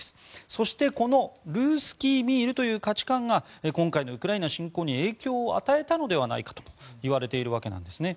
そして、このルースキー・ミールという価値観が今回のウクライナ侵攻に影響を与えたのではないかと言われているわけですね。